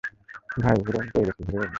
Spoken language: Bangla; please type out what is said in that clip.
ভাই, হিরোইন পেয়ে গেছি হিরোইন!